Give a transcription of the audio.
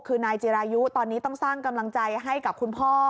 คือนายจิรายุตอนนี้ต้องสร้างกำลังใจให้กับคุณพ่อ